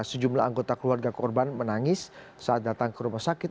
sejumlah anggota keluarga korban menangis saat datang ke rumah sakit